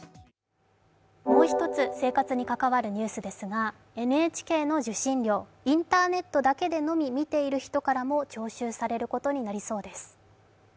もう１つ、生活に関わるニュースですがＮＨＫの受信料、インターネットだけでのみ見ている人からも徴収されることになりそうです。